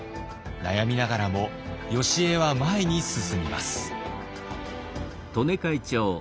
悩みながらもよしえは前に進みます。